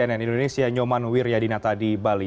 cnn indonesia nyoman wiryadinata di bali